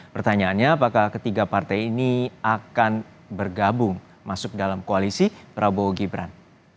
pertanyaannya apakah ketiga partai ini akan bergabung masuk dalam koalisi prabowo gibran